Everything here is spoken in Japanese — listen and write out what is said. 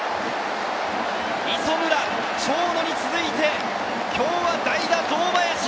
磯村、長野に続いて今日は代打・堂林！